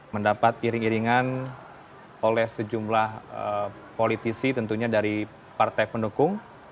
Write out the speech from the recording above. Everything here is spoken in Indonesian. mendapat iring iringan oleh sejumlah politisi tentunya dari partai pendukung